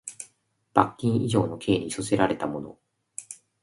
罰金以上の刑に処せられた者